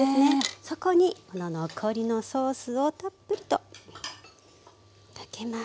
そこにこの残りのソースをたっぷりとかけます。